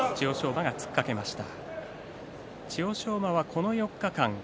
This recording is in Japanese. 馬が突っかけました。